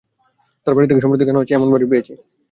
তার বাড়ি থেকে সম্প্রতি কেনা হয়েছে এমন বড়ি পেয়েছি।